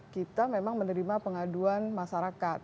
kita memang menerima pengaduan masyarakat